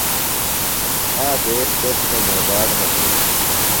آ دیس تس تھےۡ موبا ڈھکِلو۔